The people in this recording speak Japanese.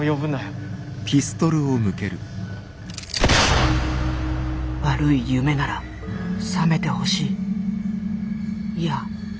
心の声悪い夢ならさめてほしい。